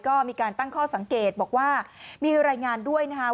ก็มีการตั้งข้อสังเกตบอกว่ามีรายงานด้วยนะคะ